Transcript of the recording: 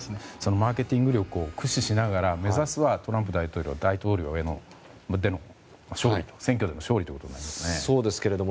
マーケティング力を駆使しながら目指すはトランプ大統領、選挙での勝利ということですね。